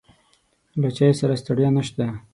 له چای سره ستړیا نشته.